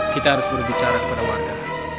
kita harus berbicara kepada warga